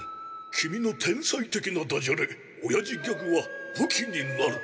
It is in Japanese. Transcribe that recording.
君の天才的なダジャレおやじギャグは武器になる。